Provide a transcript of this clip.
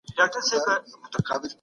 دولت بهرنیو پانګوالو ته اجازه ور نه کړه.